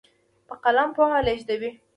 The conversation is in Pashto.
په قلم پوهه لیږدېږي.